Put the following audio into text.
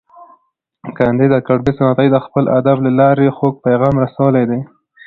کانديد اکاډميسن عطایي د خپل ادب له لارې خوږ پیغام رسولی دی.